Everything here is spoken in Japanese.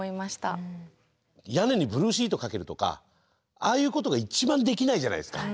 屋根にブルーシートかけるとかああいうことが一番できないじゃないですか。